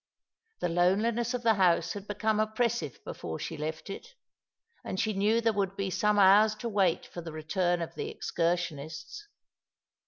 The loneliness of the house had become oppressive before she left it ; and she knew there would be some hours to wait for the return of the excursionists.